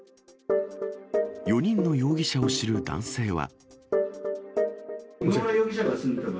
４人の容疑者を知る男性は。